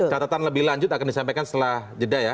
catatan lebih lanjut akan disampaikan setelah jeda ya